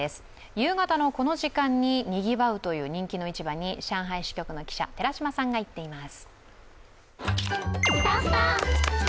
夕方のこの時間ににぎわうという人気の市場に上海支局の記者、寺島さんが行っています。